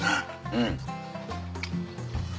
うん。